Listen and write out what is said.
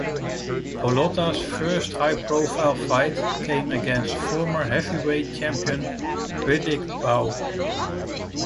Golota's first high-profile fight came against former heavyweight champion Riddick Bowe.